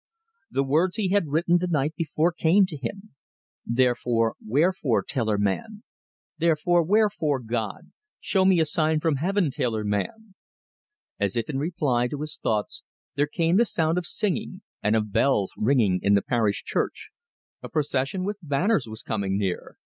The words he had written the night before came to him: "Therefore, wherefore, tailor man? Therefore, wherefore, God?... Show me a sign from Heaven, tailor man!" As if in reply to his thoughts there came the sound of singing, and of bells ringing in the parish church. A procession with banners was coming near.